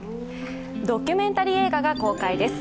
ドキュメンタリー映画が公開です。